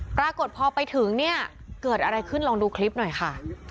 ปรากฏพอไปถึงเนี่ยเกิดอะไรขึ้นลองดูคลิปหน่อยค่ะ